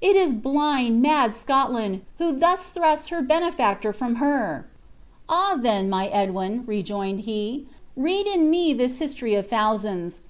It is blind, mad Scotland, who thus thrusts her benefactor from her." "Ah! then, my Edwin," rejoined he, "read in me this history of thousands.